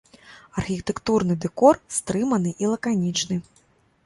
Архітэктурны дэкор стрыманы і лаканічны.